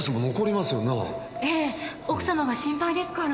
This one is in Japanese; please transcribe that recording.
ええ奥様が心配ですから。